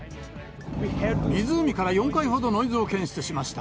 湖から４回ほど、ノイズを検出しました。